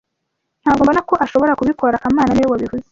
Ntabwo mbona ko ashobora kubikora kamana niwe wabivuze